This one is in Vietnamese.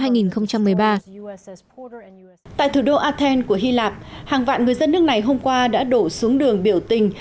tại thủ đô athens của hy lạp hàng vạn người dân nước này hôm qua đã đổ xuống đường biểu tình